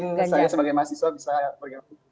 saya sebagai mahasiswa bisa bergabung